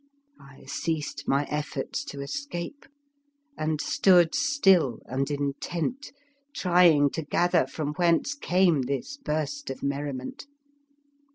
I ceased my efforts to escape, and stood still and intent, trying to* gather from whence came this burst of merriment.